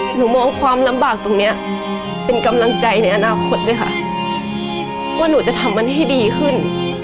หนูมองความลำบากตรงนี้เป็นกำลังใจในอนาคตด้วยค่ะว่าหนูจะทำมันให้ดีขึ้น